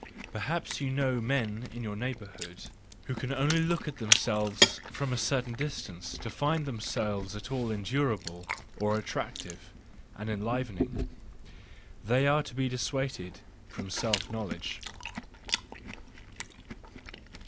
Per¬ haps you know men in your neighbourhood who can only look at themselves from a certain distance to find themselves at all endurable, or attractive and enlivening; they are to be dissuaded from self knowledge.